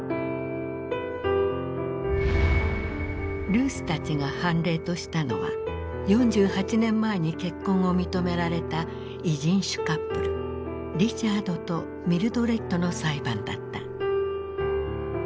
ルースたちが判例としたのは４８年前に結婚を認められた異人種カップルリチャードとミルドレッドの裁判だった。